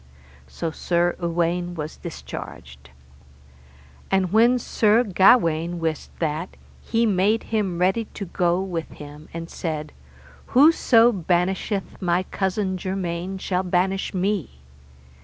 So Sir Uwaine was discharged. And when Sir Gawaine wist that, he made him ready to go with him; and said, Whoso banisheth my cousin germain shall banish me.